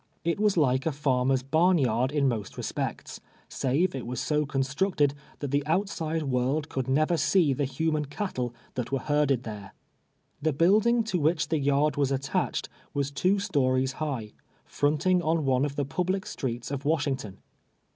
It was like a farmer's bai nyaril in most res})ects, save it was so con.structe<l that the out side world could never see the human cattle that were liei'ded there. The build ini:; to wliich the yard was attached, was two stories hig'h, frontin!jj on one of the jiublic streets of AVashini::ton.